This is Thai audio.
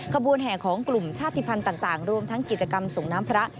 ขบวนแห่ของกลุ่มชาติภัณฑ์ต่างรวมทั้งกิจกรรมส่งน้ำพระ